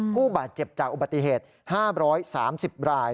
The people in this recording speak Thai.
ผู้บาดเจ็บจากอุบัติเหตุ๕๓๐ราย